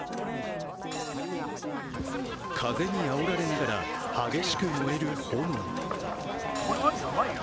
風にあおられながら激しく燃える炎。